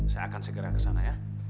saya akan segera ke sana ya